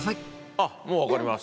あっ、もう分かります。